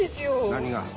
何が？